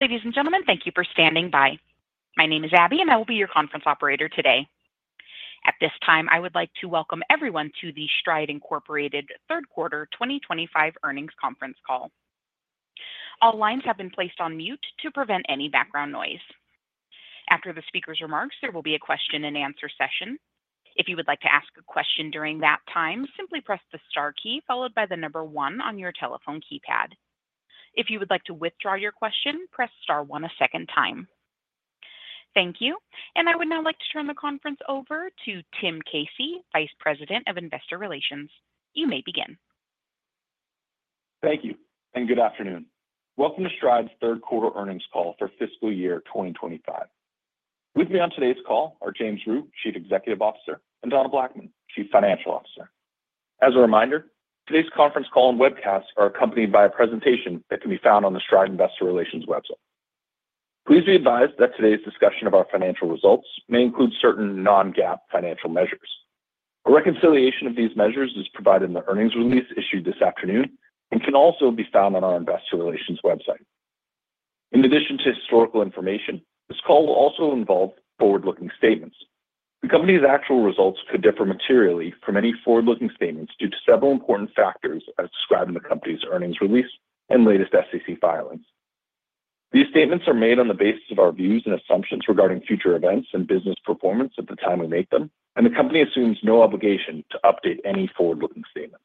Ladies and gentlemen, thank you for standing by. My name is Abby, and I will be your conference operator today. At this time, I would like to welcome everyone to the Stride third quarter 2025 earnings conference call. All lines have been placed on mute to prevent any background noise. After the speaker's remarks, there will be a question-and-answer session. If you would like to ask a question during that time, simply press the star key followed by the number one on your telephone keypad. If you would like to withdraw your question, press star one a second time. Thank you. I would now like to turn the conference over to Tim Casey, Vice President of Investor Relations. You may begin. Thank you and good afternoon. Welcome to Stride's third quarter earnings call for fiscal year 2025. With me on today's call are James Rhyu, Chief Executive Officer, and Donna Blackman, Chief Financial Officer. As a reminder, today's conference call and webcast are accompanied by a presentation that can be found on the Stride Investor Relations website. Please be advised that today's discussion of our financial results may include certain non-GAAP financial measures. A reconciliation of these measures is provided in the earnings release issued this afternoon and can also be found on our Investor Relations website. In addition to historical information, this call will also involve forward-looking statements. The company's actual results could differ materially from any forward-looking statements due to several important factors as described in the company's earnings release and latest SEC filings. These statements are made on the basis of our views and assumptions regarding future events and business performance at the time we make them, and the company assumes no obligation to update any forward-looking statements.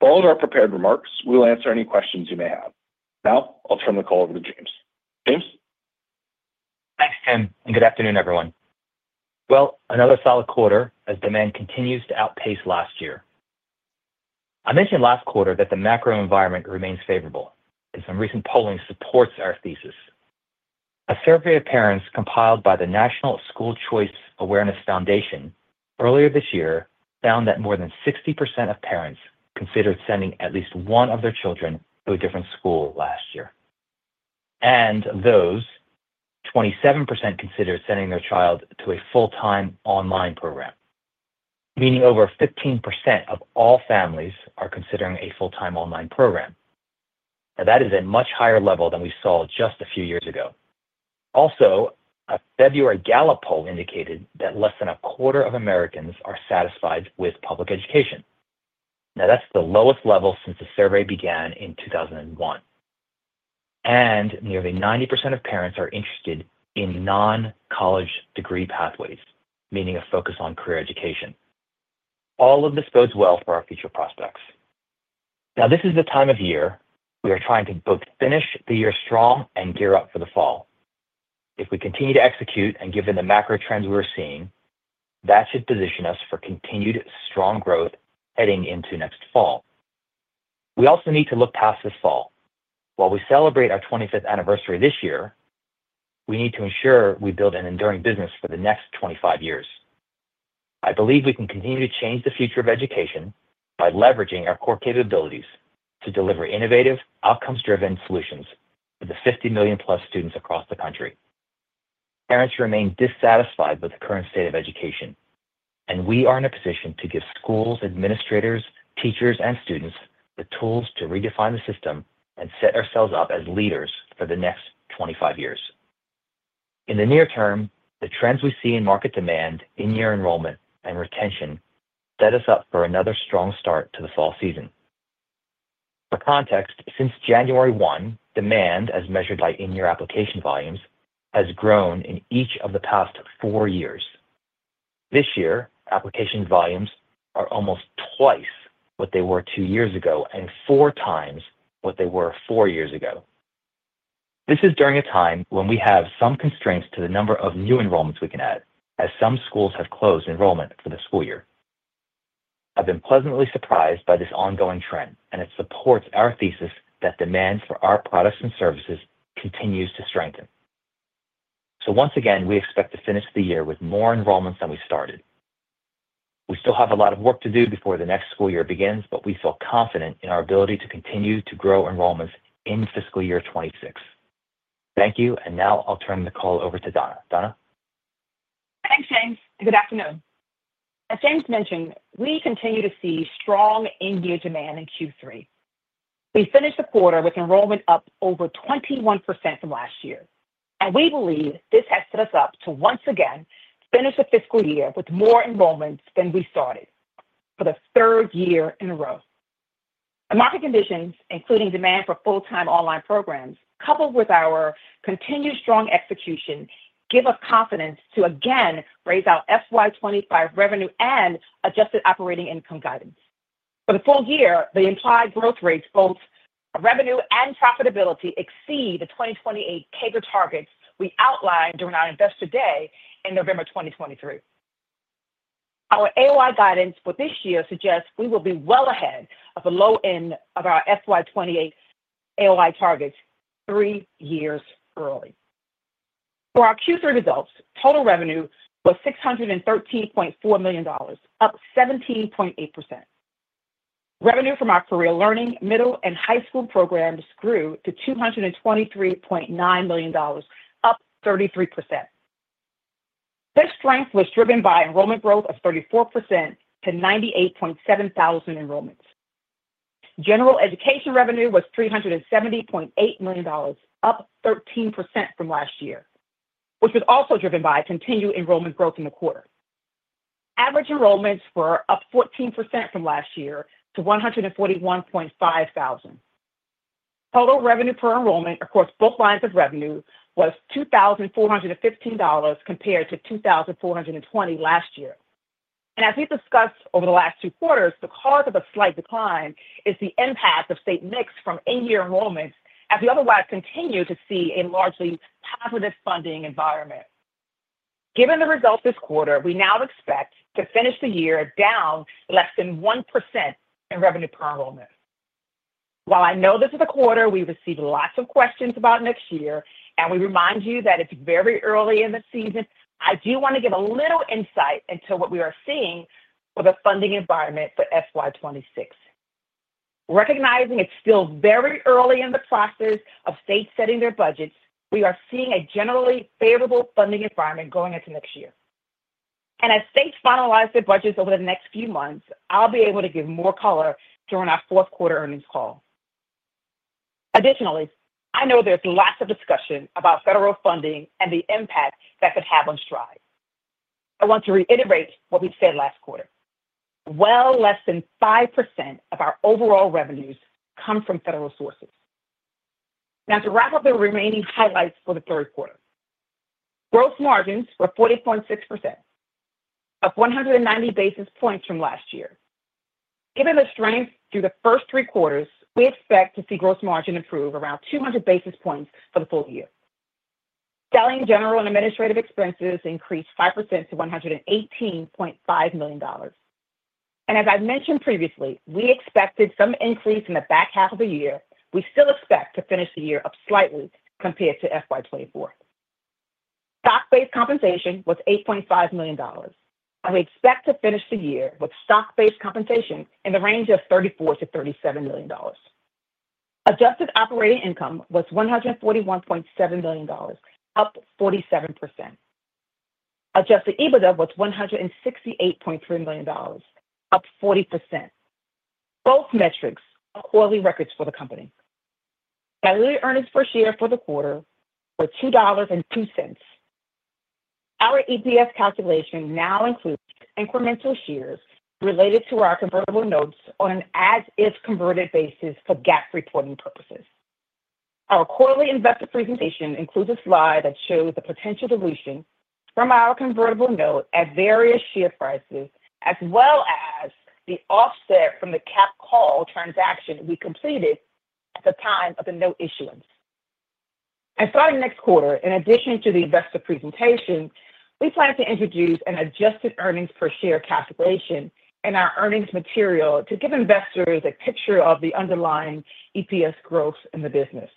Following our prepared remarks, we will answer any questions you may have. Now, I'll turn the call over to James. James? Thanks, Tim, and good afternoon, everyone. Another solid quarter as demand continues to outpace last year. I mentioned last quarter that the macro environment remains favorable, and some recent polling supports our thesis. A survey of parents compiled by the National School Choice Awareness Foundation earlier this year found that more than 60% of parents considered sending at least one of their children to a different school last year. Of those, 27% considered sending their child to a full-time online program, meaning over 15% of all families are considering a full-time online program. That is at a much higher level than we saw just a few years ago. Also, a February Gallup poll indicated that less than a quarter of Americans are satisfied with public education. That is the lowest level since the survey began in 2001. Nearly 90% of parents are interested in non-college degree pathways, meaning a focus on career education. All of this bodes well for our future prospects. This is the time of year we are trying to both finish the year strong and gear up for the fall. If we continue to execute and given the macro trends we are seeing, that should position us for continued strong growth heading into next fall. We also need to look past this fall. While we celebrate our 25th anniversary this year, we need to ensure we build an enduring business for the next 25 years. I believe we can continue to change the future of education by leveraging our core capabilities to deliver innovative, outcomes-driven solutions for the 50 million-plus students across the country. Parents remain dissatisfied with the current state of education, and we are in a position to give schools, administrators, teachers, and students the tools to redefine the system and set ourselves up as leaders for the next 25 years. In the near term, the trends we see in market demand, in-year enrollment, and retention set us up for another strong start to the fall season. For context, since January 1, demand, as measured by in-year application volumes, has grown in each of the past four years. This year, application volumes are almost twice what they were two years ago and four times what they were four years ago. This is during a time when we have some constraints to the number of new enrollments we can add, as some schools have closed enrollment for the school year. I've been pleasantly surprised by this ongoing trend, and it supports our thesis that demand for our products and services continues to strengthen. Once again, we expect to finish the year with more enrollments than we started. We still have a lot of work to do before the next school year begins, but we feel confident in our ability to continue to grow enrollments in fiscal year 2026. Thank you. Now I'll turn the call over to Donna. Donna. Thanks, James. Good afternoon. As James mentioned, we continue to see strong in-year demand in Q3. We finished the quarter with enrollment up over 21% from last year. We believe this has set us up to once again finish the fiscal year with more enrollments than we started for the third year in a row. The market conditions, including demand for full-time online programs, coupled with our continued strong execution, give us confidence to again raise our FY25 revenue and adjusted operating income guidance. For the full year, the implied growth rates, both revenue and profitability, exceed the 2028 CAGR targets we outlined during our Investor Day in November 2023. Our AOI guidance for this year suggests we will be well ahead of the low end of our FY28 AOI targets three years early. For our Q3 results, total revenue was $613.4 million, up 17.8%. Revenue from our Career Learning, middle, and high school programs grew to $223.9 million, up 33%. This strength was driven by enrollment growth of 34% to 98,700 enrollments. General Education revenue was $370.8 million, up 13% from last year, which was also driven by continued enrollment growth in the quarter. Average enrollments were up 14% from last year to 141.5 thousand. Total revenue per enrollment across both lines of revenue was $2,415 compared to $2,420 last year. As we've discussed over the last two quarters, the cause of the slight decline is the impact of state mix from in-year enrollments as we otherwise continue to see a largely positive funding environment. Given the results this quarter, we now expect to finish the year down less than 1% in revenue per enrollment. While I know this is a quarter we receive lots of questions about next year, and we remind you that it's very early in the season, I do want to give a little insight into what we are seeing with the funding environment for FY26. Recognizing it's still very early in the process of states setting their budgets, we are seeing a generally favorable funding environment going into next year. As states finalize their budgets over the next few months, I'll be able to give more color during our fourth quarter earnings call. Additionally, I know there's lots of discussion about federal funding and the impact that could have on Stride. I want to reiterate what we said last quarter. Well less than 5% of our overall revenues come from federal sources. Now, to wrap up the remaining highlights for the third quarter, gross margins were 40.6%, up 190 basis points from last year. Given the strength through the first three quarters, we expect to see gross margin improve around 200 basis points for the full year. Selling, general and administrative expenses increased 5% to $118.5 million. As I've mentioned previously, we expected some increase in the back half of the year. We still expect to finish the year up slightly compared to FY2024. Stock-based compensation was $8.5 million, and we expect to finish the year with stock-based compensation in the range of $34-$37 million. Adjusted operating income was $141.7 million, up 47%. Adjusted EBITDA was $168.3 million, up 40%. Both metrics are quarterly records for the company. Diluted earnings per for the quarter was $2.02. Our EPS calculation now includes incremental shares related to our convertible notes on an as-is converted basis for GAAP reporting purposes. Our quarterly investor presentation includes a slide that shows the potential dilution from our convertible note at various share prices, as well as the offset from the capped call transaction we completed at the time of the note issuance. Starting next quarter, in addition to the investor presentation, we plan to introduce an adjusted earnings per share calculation in our earnings material to give investors a picture of the underlying EPS growth in the business.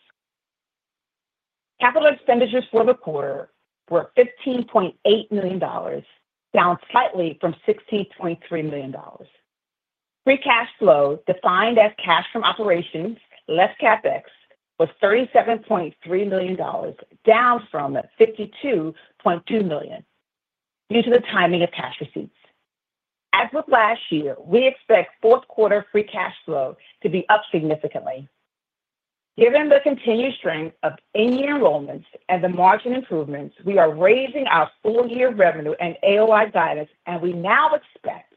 Capital expenditures for the quarter were $15.8 million, down slightly from $16.3 million. Free cash flow, defined as cash from operations, less CapEx, was $37.3 million, down from $52.2 million due to the timing of cash receipts. As with last year, we expect fourth quarter free cash flow to be up significantly. Given the continued strength of in-year enrollments and the margin improvements, we are raising our full-year revenue and AOI guidance, and we now expect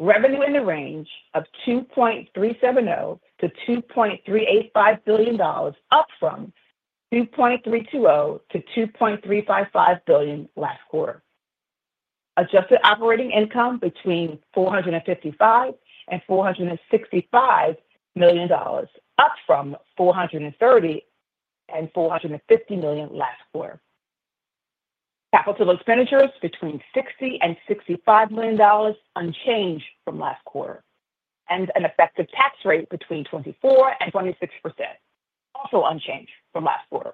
revenue in the range of $2.370 billion-$2.385 billion, up from $2.320 billion-$2.355 billion last quarter. Adjusted operating income between $455 million and $465 million, up from $430 million and $450 million last quarter. Capital expenditures between $60 million and $65 million unchanged from last quarter, and an effective tax rate between 24% and 26%, also unchanged from last quarter.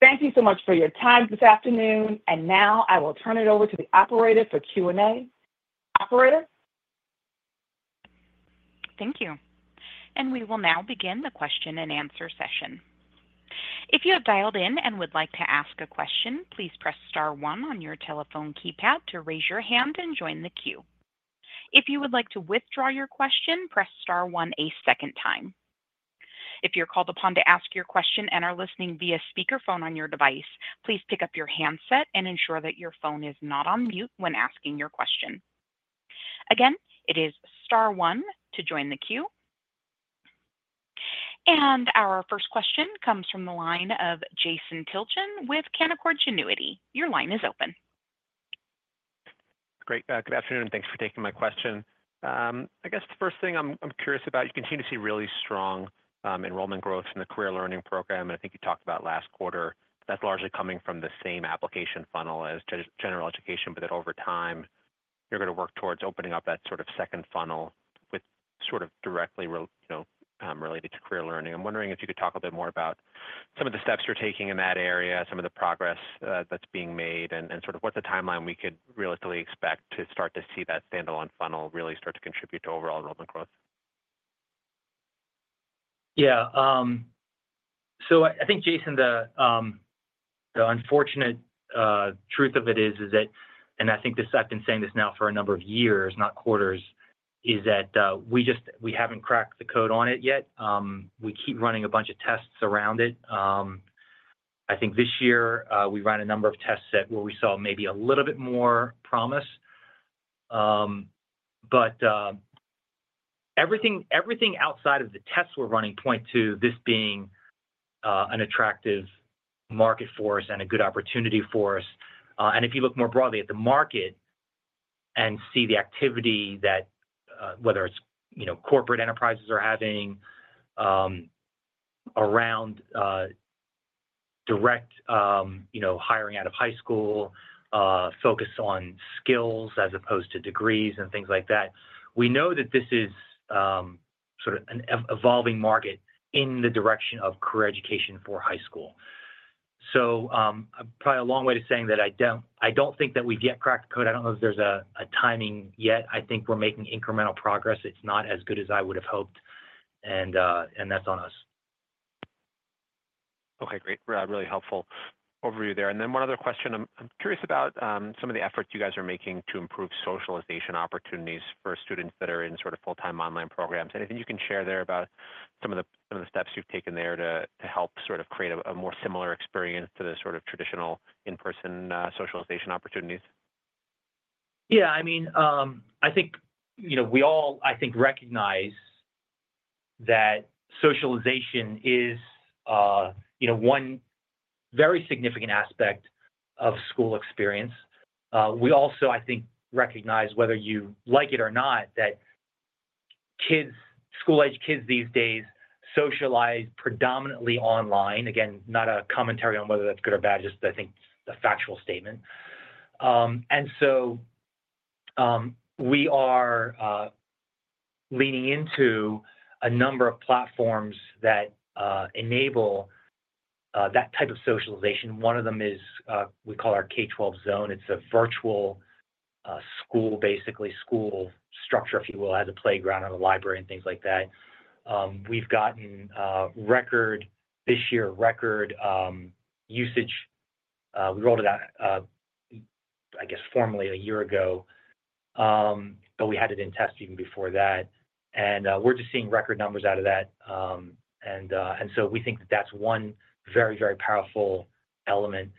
Thank you so much for your time this afternoon. Now I will turn it over to the operator for Q&A. Operator? Thank you. We will now begin the question and answer session. If you have dialed in and would like to ask a question, please press star one on your telephone keypad to raise your hand and join the queue. If you would like to withdraw your question, press star one a second time. If you're called upon to ask your question and are listening via speakerphone on your device, please pick up your handset and ensure that your phone is not on mute when asking your question. Again, it is star one to join the queue. Our first question comes from the line of Jason Tilchen with Canaccord Genuity. Your line is open. Great. Good afternoon. Thanks for taking my question. I guess the first thing I'm curious about, you continue to see really strong enrollment growth in the Career Learning program. I think you talked about last quarter, that's largely coming from the same application funnel as General Education, but that over time you're going to work towards opening up that sort of second funnel with sort of directly related to Career Learning. I'm wondering if you could talk a bit more about some of the steps you're taking in that area, some of the progress that's being made, and sort of what's the timeline we could realistically expect to start to see that standalone funnel really start to contribute to overall enrollment growth? Yeah. I think, Jason, the unfortunate truth of it is that, and I think this, I've been saying this now for a number of years, not quarters, is that we just haven't cracked the code on it yet. We keep running a bunch of tests around it. I think this year we ran a number of tests where we saw maybe a little bit more promise. Everything outside of the tests we're running points to this being an attractive market for us and a good opportunity for us. If you look more broadly at the market and see the activity that, whether it's corporate enterprises having around direct hiring out of high school, focus on skills as opposed to degrees and things like that, we know that this is sort of an evolving market in the direction of career education for high school. I don't think that we've yet cracked the code. I don't know if there's a timing yet. I think we're making incremental progress. It's not as good as I would have hoped, and that's on us. Okay. Great. Really helpful overview there. One other question. I'm curious about some of the efforts you guys are making to improve socialization opportunities for students that are in sort of full-time online programs. Anything you can share there about some of the steps you've taken there to help sort of create a more similar experience to the sort of traditional in-person socialization opportunities? Yeah. I mean, I think we all, I think, recognize that socialization is one very significant aspect of school experience. We also, I think, recognize, whether you like it or not, that school-aged kids these days socialize predominantly online. Again, not a commentary on whether that's good or bad, just I think a factual statement. We are leaning into a number of platforms that enable that type of socialization. One of them is we call our K12 Zone. It's a virtual school, basically school structure, if you will, as a playground or a library and things like that. We've gotten record this year, record usage. We rolled it out, I guess, formally a year ago, but we had it in test even before that. We're just seeing record numbers out of that. We think that that's one very, very powerful element.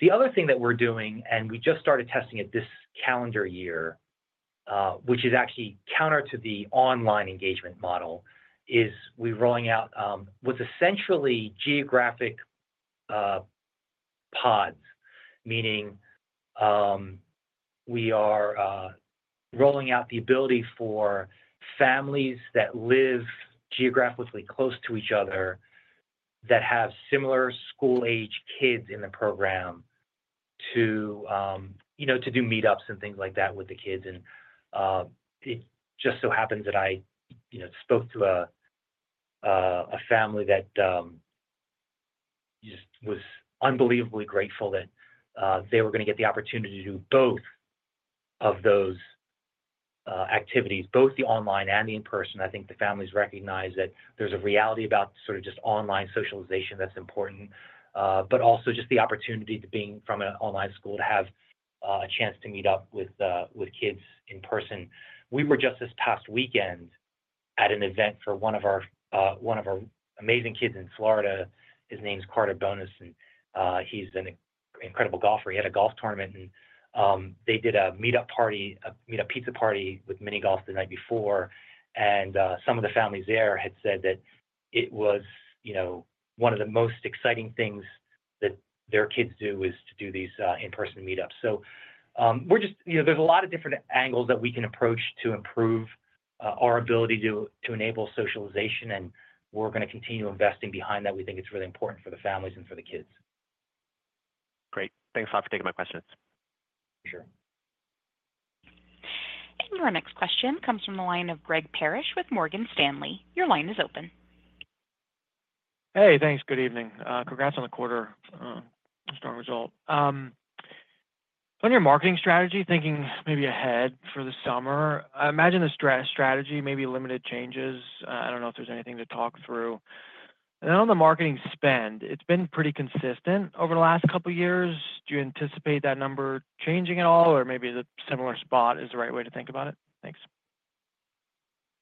The other thing that we're doing, and we just started testing it this calendar year, which is actually counter to the online engagement model, is we're rolling out what's essentially geographic pods, meaning we are rolling out the ability for families that live geographically close to each other that have similar school-aged kids in the program to do meetups and things like that with the kids. It just so happens that I spoke to a family that just was unbelievably grateful that they were going to get the opportunity to do both of those activities, both the online and the in-person. I think the families recognize that there's a reality about sort of just online socialization that's important, but also just the opportunity to being from an online school to have a chance to meet up with kids in person. We were just this past weekend at an event for one of our amazing kids in Florida. His name's Carter Bonas, and he's an incredible golfer. He had a golf tournament, and they did a meetup party, a meetup pizza party with Mini Golf the night before. Some of the families there had said that it was one of the most exciting things that their kids do is to do these in-person meetups. There are a lot of different angles that we can approach to improve our ability to enable socialization, and we're going to continue investing behind that. We think it's really important for the families and for the kids. Great. Thanks a lot for taking my questions. Sure. Our next question comes from the line of Greg Parrish with Morgan Stanley. Your line is open. Hey, thanks. Good evening. Congrats on the quarter. Strong result. On your marketing strategy, thinking maybe ahead for the summer, I imagine the strategy may be limited changes. I don't know if there's anything to talk through. On the marketing spend, it's been pretty consistent over the last couple of years. Do you anticipate that number changing at all, or maybe the similar spot is the right way to think about it? Thanks.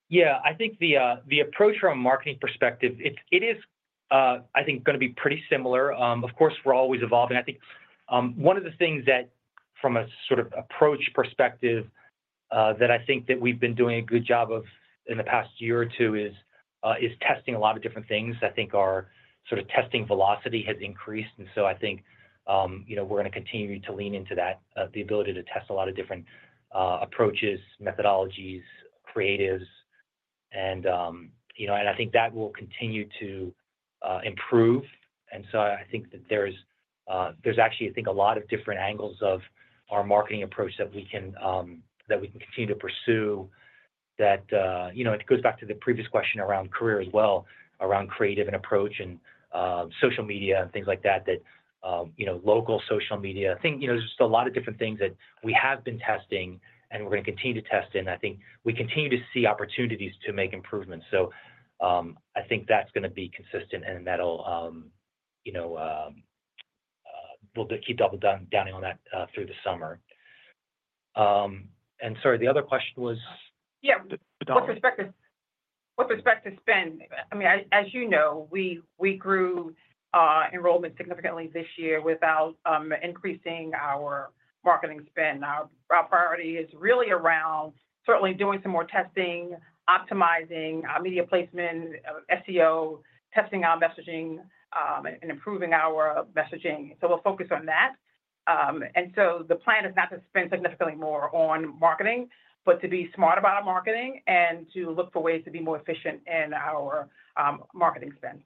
Yeah. I think the approach from a marketing perspective, it is, I think, going to be pretty similar. Of course, we're always evolving. I think one of the things that from a sort of approach perspective that I think that we've been doing a good job of in the past year or two is testing a lot of different things. I think our sort of testing velocity has increased. I think we're going to continue to lean into that, the ability to test a lot of different approaches, methodologies, creatives. I think that will continue to improve. I think that there's actually, I think, a lot of different angles of our marketing approach that we can continue to pursue that goes back to the previous question around career as well, around creative and approach and social media and things like that, that local social media. I think there's just a lot of different things that we have been testing and we're going to continue to test. I think we continue to see opportunities to make improvements. I think that's going to be consistent, and that we'll keep double-downing on that through the summer. Sorry, the other question was. Yeah. With respect to spend, I mean, as you know, we grew enrollment significantly this year without increasing our marketing spend. Our priority is really around certainly doing some more testing, optimizing media placement, SEO, testing our messaging, and improving our messaging. We will focus on that. The plan is not to spend significantly more on marketing, but to be smart about our marketing and to look for ways to be more efficient in our marketing spend.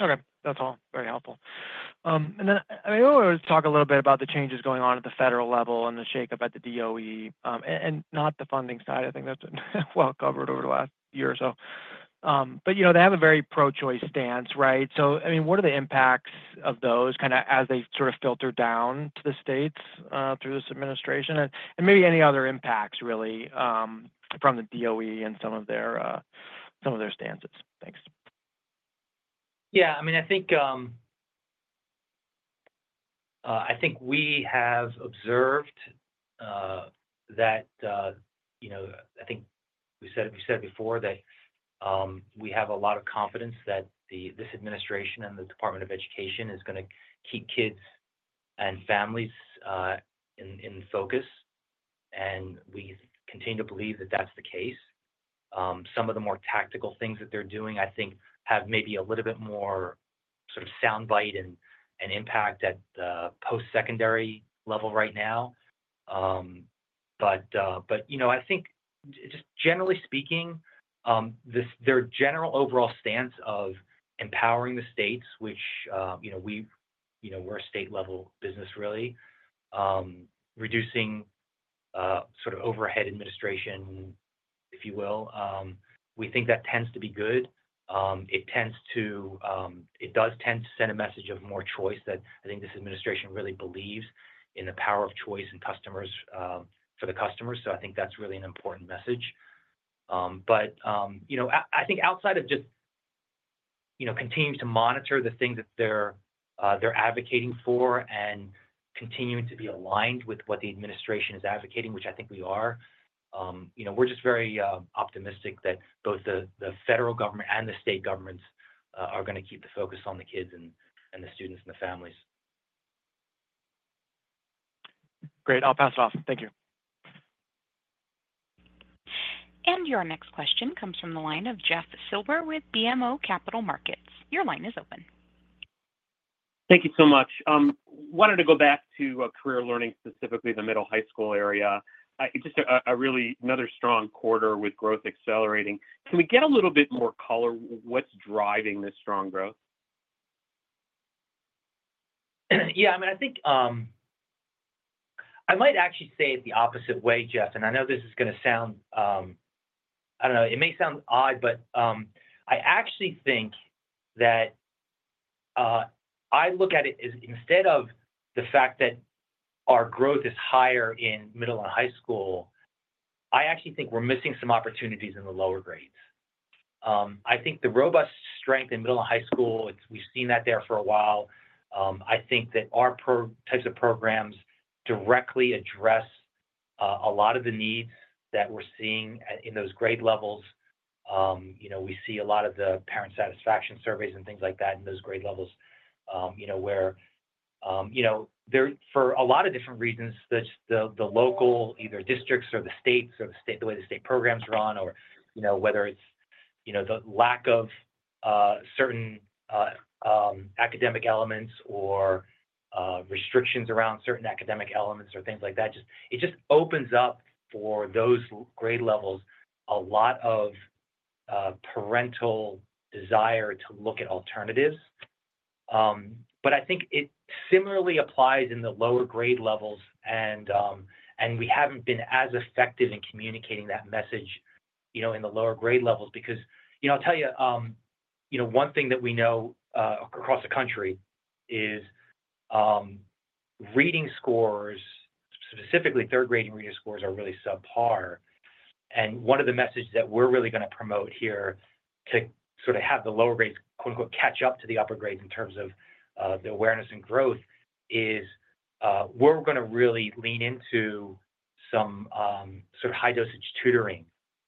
Okay. That is all very helpful. I know we always talk a little bit about the changes going on at the federal level and the shakeup at the DOE and not the funding side. I think that has been well covered over the last year or so. They have a very pro-choice stance, right? I mean, what are the impacts of those kind of as they sort of filter down to the states through this administration? And maybe any other impacts really from the DOE and some of their stances. Thanks. Yeah. I mean, I think we have observed that I think we said before that we have a lot of confidence that this administration and the Department of Education is going to keep kids and families in focus. We continue to believe that that's the case. Some of the more tactical things that they're doing, I think, have maybe a little bit more sort of soundbite and impact at the post-secondary level right now. I think just generally speaking, their general overall stance of empowering the states, which we're a state-level business really, reducing sort of overhead administration, if you will, we think that tends to be good. It does tend to send a message of more choice that I think this administration really believes in the power of choice and customers for the customers. I think that's really an important message. I think outside of just continuing to monitor the things that they're advocating for and continuing to be aligned with what the administration is advocating, which I think we are, we're just very optimistic that both the federal government and the state governments are going to keep the focus on the kids and the students and the families. Great. I'll pass it off. Thank you. Your next question comes from the line of Jeff Silber with BMO Capital Markets. Your line is open. Thank you so much. Wanted to go back to Career Learning, specifically the middle high school area. Just another strong quarter with growth accelerating. Can we get a little bit more color? What's driving this strong growth? Yeah. I mean, I think I might actually say the opposite way, Jeff. And I know this is going to sound, I don't know, it may sound odd, but I actually think that I look at it as instead of the fact that our growth is higher in middle and high school, I actually think we're missing some opportunities in the lower grades. I think the robust strength in middle and high school, we've seen that there for a while. I think that our types of programs directly address a lot of the needs that we're seeing in those grade levels. We see a lot of the parent satisfaction surveys and things like that in those grade levels where for a lot of different reasons, the local either districts or the states or the way the state programs run or whether it's the lack of certain academic elements or restrictions around certain academic elements or things like that, it just opens up for those grade levels a lot of parental desire to look at alternatives. I think it similarly applies in the lower grade levels. We haven't been as effective in communicating that message in the lower grade levels because I'll tell you, one thing that we know across the country is reading scores, specifically third-grade and reader scores, are really subpar. One of the messages that we're really going to promote here to sort of have the lower grades "catch up" to the upper grades in terms of the awareness and growth is we're going to really lean into some sort of high-dosage tutoring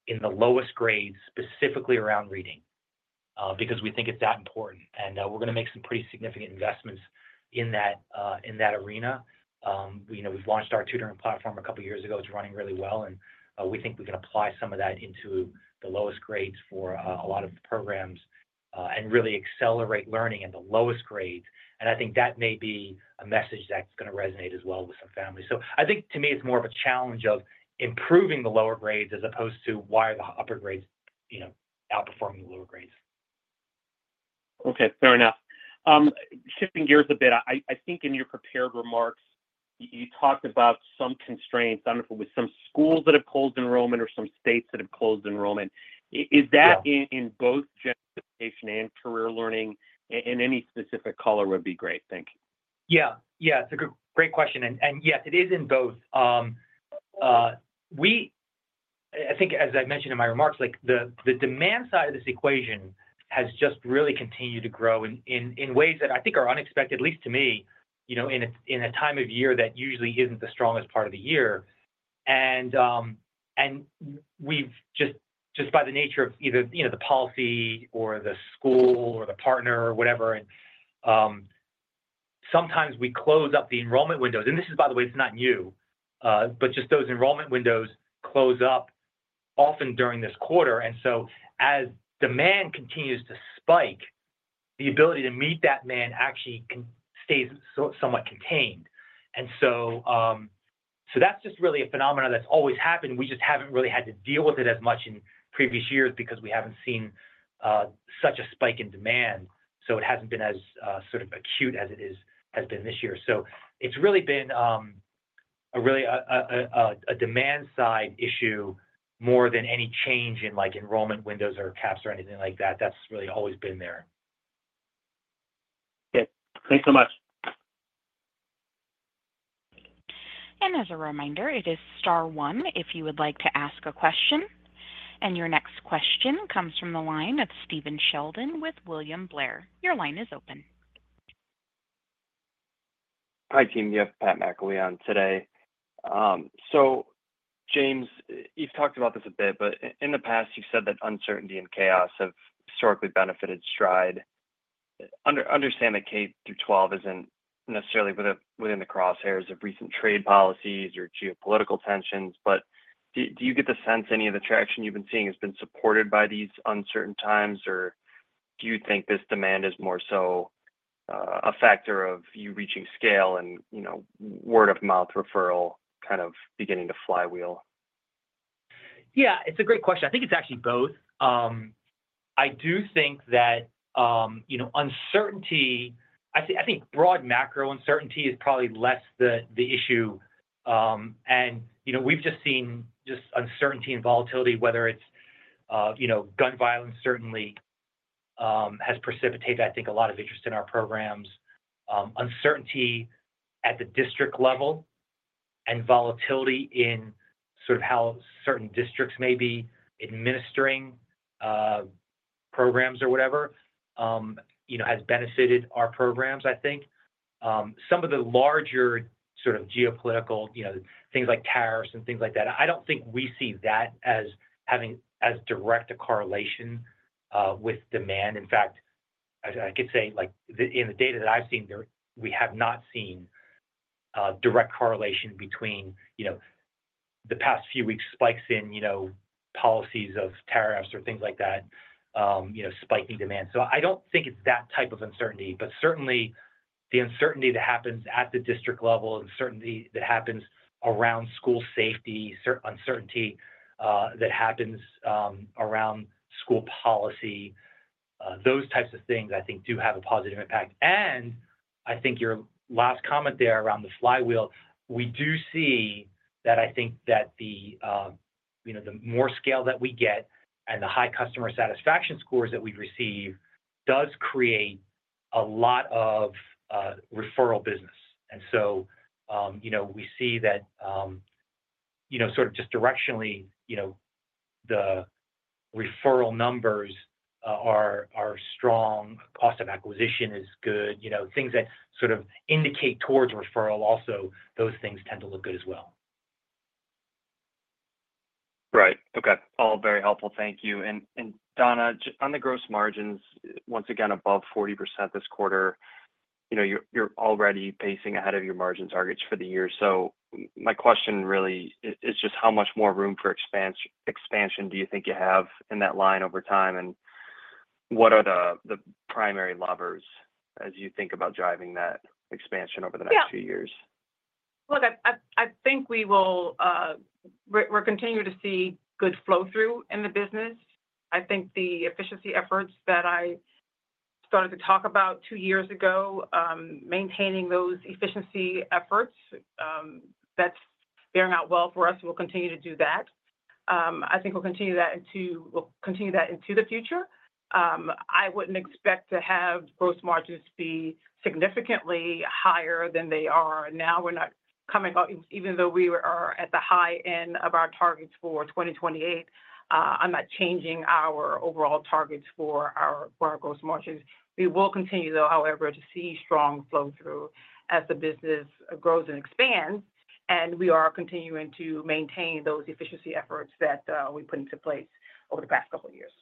in the lowest grades, specifically around reading, because we think it's that important. We're going to make some pretty significant investments in that arena. We've launched our Tutoring Platform a couple of years ago. It's running really well. We think we can apply some of that into the lowest grades for a lot of programs and really accelerate learning in the lowest grades. I think that may be a message that's going to resonate as well with some families. I think to me, it's more of a challenge of improving the lower grades as opposed to why are the upper grades outperforming the lower grades. Okay. Fair enough. Shifting gears a bit, I think in your prepared remarks, you talked about some constraints. I don't know if it was some schools that have closed enrollment or some states that have closed enrollment. Is that in both general education and career learning? Any specific color would be great. Thank you. Yeah. Yeah. It's a great question. Yes, it is in both. I think, as I mentioned in my remarks, the demand side of this equation has just really continued to grow in ways that I think are unexpected, at least to me, in a time of year that usually isn't the strongest part of the year. Just by the nature of either the policy or the school or the partner or whatever, sometimes we close up the enrollment windows. This is, by the way, not new, but just those enrollment windows close up often during this quarter. As demand continues to spike, the ability to meet that demand actually stays somewhat contained. That's just really a phenomenon that's always happened. We just haven't really had to deal with it as much in previous years because we haven't seen such a spike in demand. It hasn't been as sort of acute as it has been this year. It has really been a demand-side issue more than any change in enrollment windows or caps or anything like that. That has really always been there. Good. Thanks so much. As a reminder, it is Star One if you would like to ask a question. Your next question comes from the line of Stephen Sheldon with William Blair. Your line is open. Hi, team. Pat McIlwee on today. James, you've talked about this a bit, but in the past, you've said that uncertainty and chaos have historically benefited Stride. I understand that K through 12 isn't necessarily within the crosshairs of recent trade policies or geopolitical tensions. Do you get the sense any of the traction you've been seeing has been supported by these uncertain times, or do you think this demand is more so a factor of you reaching scale and word-of-mouth referral kind of beginning to flywheel? Yeah. It's a great question. I think it's actually both. I do think that uncertainty, I think broad macro uncertainty is probably less the issue. We've just seen just uncertainty and volatility, whether it's gun violence, certainly has precipitated, I think, a lot of interest in our programs. Uncertainty at the district level and volatility in sort of how certain districts may be administering programs or whatever has benefited our programs, I think. Some of the larger sort of geopolitical things like tariffs and things like that, I don't think we see that as having as direct a correlation with demand. In fact, I could say in the data that I've seen, we have not seen direct correlation between the past few weeks' spikes in policies of tariffs or things like that, spiking demand. I do not think it is that type of uncertainty, but certainly the uncertainty that happens at the district level, uncertainty that happens around school safety, uncertainty that happens around school policy, those types of things, I think, do have a positive impact. I think your last comment there around the flywheel, we do see that. I think that the more scale that we get and the high customer satisfaction scores that we receive does create a lot of referral business. We see that sort of just directionally, the referral numbers are strong, cost of acquisition is good, things that sort of indicate towards referral, also those things tend to look good as well. Right. Okay. All very helpful. Thank you. Donna, on the gross margins, once again, above 40% this quarter, you're already pacing ahead of your margin targets for the year. My question really is just how much more room for expansion do you think you have in that line over time? What are the primary levers as you think about driving that expansion over the next few years? Yeah. Look, I think we will continue to see good flow-through in the business. I think the efficiency efforts that I started to talk about two years ago, maintaining those efficiency efforts, that's bearing out well for us. We'll continue to do that. I think we'll continue that into the future. I wouldn't expect to have gross margins be significantly higher than they are now. We're not coming up, even though we are at the high end of our targets for 2028, I'm not changing our overall targets for our gross margins. We will continue, however, to see strong flow-through as the business grows and expands. We are continuing to maintain those efficiency efforts that we put into place over the past couple of years.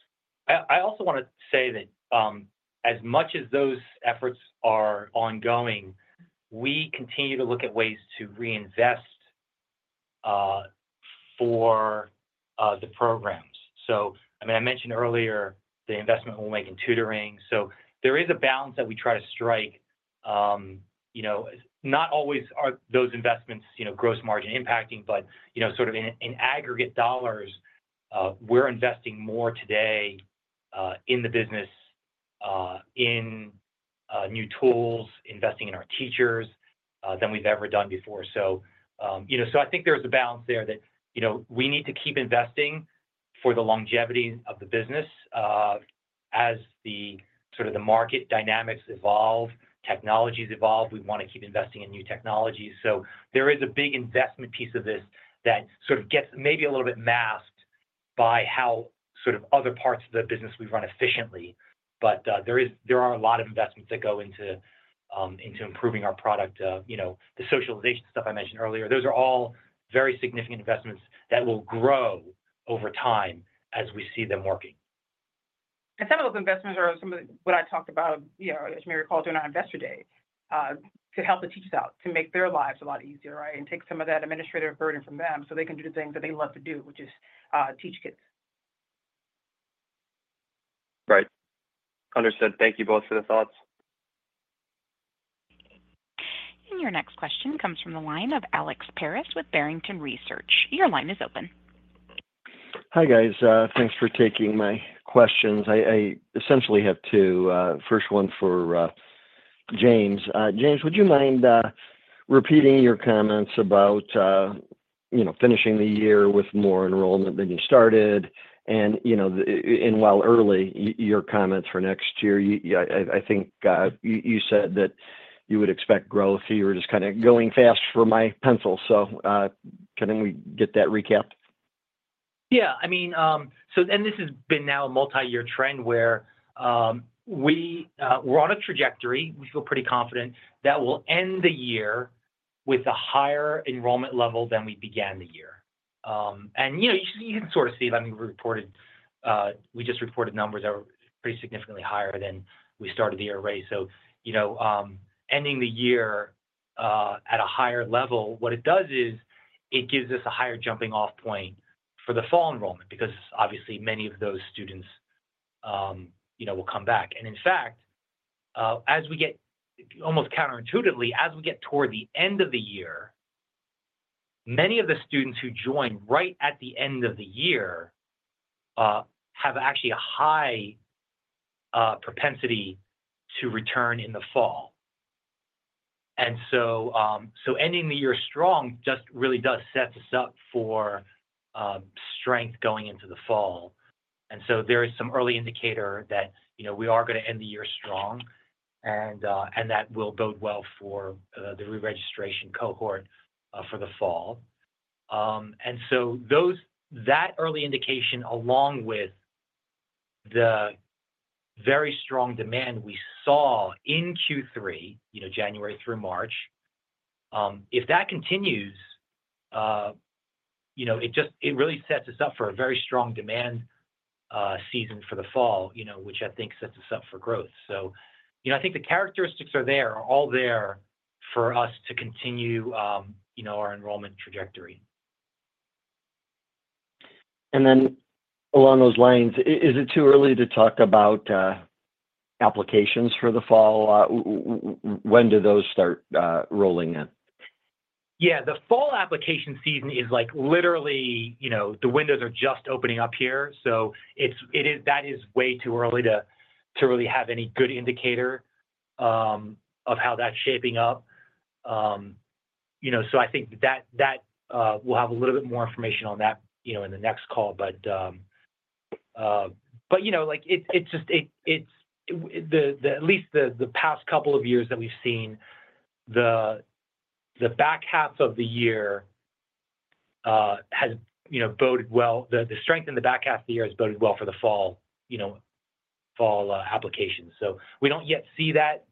I also want to say that as much as those efforts are ongoing, we continue to look at ways to reinvest for the programs. I mean, I mentioned earlier the investment we'll make in tutoring. There is a balance that we try to strike. Not always are those investments gross margin impacting, but sort of in aggregate dollars, we're investing more today in the business, in new tools, investing in our teachers than we've ever done before. I think there's a balance there that we need to keep investing for the longevity of the business. As sort of the market dynamics evolve, technologies evolve, we want to keep investing in new technologies. There is a big investment piece of this that sort of gets maybe a little bit masked by how sort of other parts of the business we run efficiently. There are a lot of investments that go into improving our product. The socialization stuff I mentioned earlier, those are all very significant investments that will grow over time as we see them working. Some of those investments are some of what I talked about, as you may recall, during our investor day to help the teachers out, to make their lives a lot easier, right, and take some of that administrative burden from them so they can do the things that they love to do, which is teach kids. Right. Understood. Thank you both for the thoughts. Your next question comes from the line of Alex Paris with Barrington Research. Your line is open. Hi guys. Thanks for taking my questions. I essentially have two. First one for James. James, would you mind repeating your comments about finishing the year with more enrollment than you started? While early, your comments for next year, I think you said that you would expect growth. You were just kind of going fast for my pencil. Can we get that recapped? Yeah. I mean, and this has been now a multi-year trend where we're on a trajectory. We feel pretty confident that we'll end the year with a higher enrollment level than we began the year. You can sort of see that we just reported numbers that are pretty significantly higher than we started the year, right? Ending the year at a higher level, what it does is it gives us a higher jumping-off point for the fall enrollment because obviously many of those students will come back. In fact, as we get almost counterintuitively, as we get toward the end of the year, many of the students who joined right at the end of the year have actually a high propensity to return in the fall. Ending the year strong just really does set us up for strength going into the fall. There is some early indicator that we are going to end the year strong and that will bode well for the re-registration cohort for the fall. That early indication, along with the very strong demand we saw in Q3, January through March, if that continues, it really sets us up for a very strong demand season for the fall, which I think sets us up for growth. I think the characteristics are all there for us to continue our enrollment trajectory. Along those lines, is it too early to talk about applications for the fall? When do those start rolling in? Yeah. The fall application season is literally the windows are just opening up here. That is way too early to really have any good indicator of how that's shaping up. I think that we'll have a little bit more information on that in the next call. At least the past couple of years that we've seen, the back half of the year has boded well. The strength in the back half of the year has boded well for the fall applications. We don't yet see that,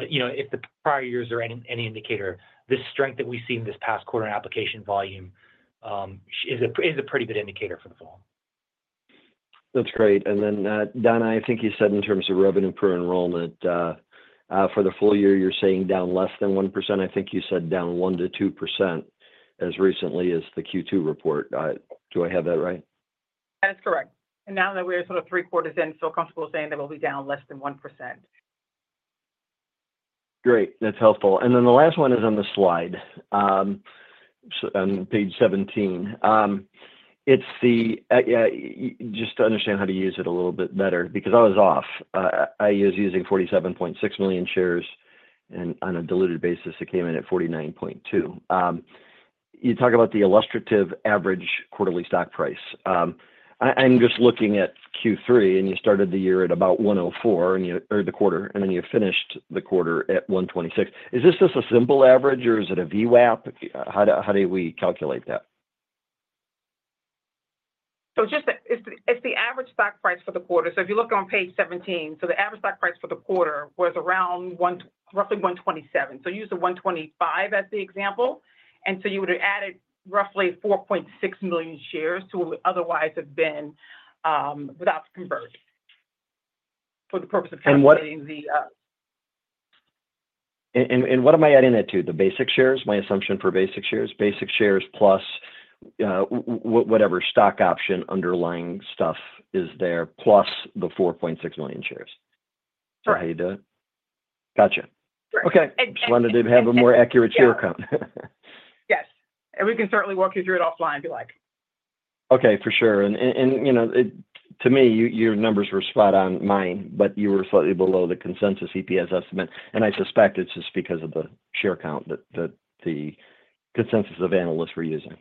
but if the prior years are any indicator, the strength that we've seen this past quarter in application volume is a pretty good indicator for the fall. That's great. Donna, I think you said in terms of revenue per enrollment for the full year, you're saying down less than 1%. I think you said down 1-2% as recently as the Q2 report. Do I have that right? That is correct. Now that we are sort of three quarters in, feel comfortable saying that we'll be down less than 1%. Great. That's helpful. The last one is on the slide on page 17. It's just to understand how to use it a little bit better because I was off. I was using 47.6 million shares, and on a diluted basis, it came in at 49.2. You talk about the illustrative average quarterly stock price. I'm just looking at Q3, and you started the year at about $104 or the quarter, and then you finished the quarter at $126. Is this just a simple average, or is it a VWAP? How do we calculate that? It's the average stock price for the quarter. If you look on page 17, the average stock price for the quarter was around roughly $127. Use the $125 as the example. You would have added roughly 4.6 million shares to what would otherwise have been without the convert for the purpose of calculating the. What am I adding that to? The basic shares? My assumption for basic shares? Basic shares plus whatever stock option underlying stuff is there, plus the 4.6 million shares. Correct. How do you do it? Gotcha. Okay. Wanted to have a more accurate share count. Yes. We can certainly walk you through it offline if you like. Okay. For sure. To me, your numbers were spot on mine, but you were slightly below the consensus EPS estimate. I suspect it's just because of the share count that the consensus of analysts were using.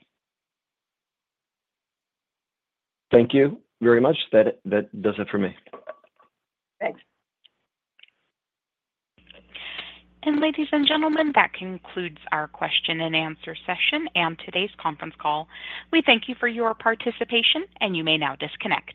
Thank you very much. That does it for me. Thanks. Ladies and gentlemen, that concludes our question and answer session and today's conference call. We thank you for your participation, and you may now disconnect.